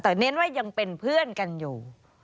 แต่เน้นว่ายังเป็นเพื่อนกันอยู่